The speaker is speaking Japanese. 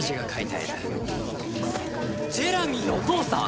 ジェラミーのお父さん！？